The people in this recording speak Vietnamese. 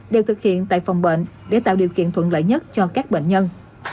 đều thực hiện tại phòng bệnh để tạo điều kiện thuận lợi nhất cho các bệnh nhân